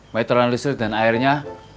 meteran listrik dan airnya